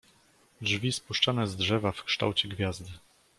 "Drzwi spuszczane z drzewa w kształcie gwiazdy."